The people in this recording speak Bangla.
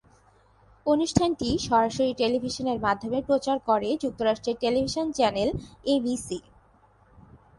অনুষ্ঠানটি সরাসরি টেলিভিশনের মাধ্যমে প্রচার করে যুক্তরাষ্ট্রের টেলিভিশন চ্যানেল এবিসি।